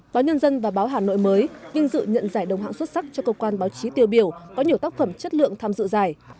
báo nhân dân và báo hà nội mới vinh dự nhận giải đồng hãng xuất sắc cho cơ quan báo chí tiêu biểu có nhiều tác phẩm chất lượng tham dự giải